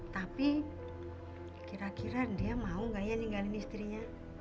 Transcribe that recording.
tapi kira kira dia mau gak ya ninggalin istrinya